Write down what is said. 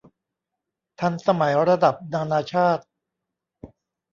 ทันสมัยระดับนานาชาติ